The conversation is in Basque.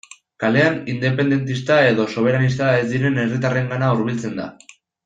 Kalean independentista edo soberanista ez diren herritarrengana hurbiltzen da.